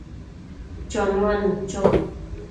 chonuadnu cho